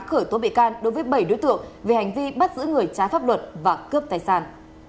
khởi tố bị can đối với bảy đối tượng về hành vi bắt giữ người trái pháp luật và cướp tài sản